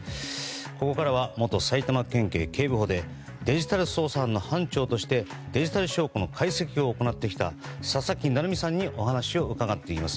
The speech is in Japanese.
ここからは、元埼玉県警警部補でデジタル捜査班の班長としてデジタル証拠の解析を行ってきた佐々木成三さんにお話を伺っていきます。